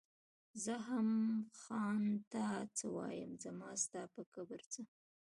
زۀ هم ځان ته څۀ وايم زما ستا پۀ کبر څۀ